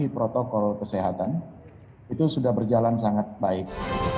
protokol kesehatan itu sudah berjalan sangat baik